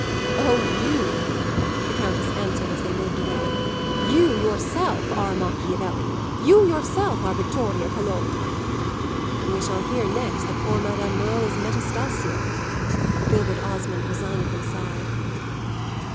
"Oh you," the Countess answered as they moved away, "you yourself are Machiavelli you yourself are Vittoria Colonna!" "We shall hear next that poor Madame Merle is Metastasio!" Gilbert Osmond resignedly sighed.